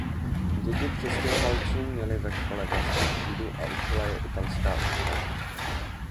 Děti přistěhovalců měly ve škole vlastní třídu a učila je italská učitelka.